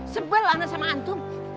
sebel ana sama antum